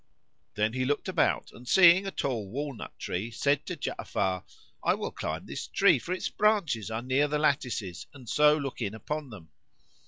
[FN#52]" Then he looked about and, seeing a tall walnut tree, said to Ja'afar, "I will climb this tree, for its branches are near the lattices and so look in upon them."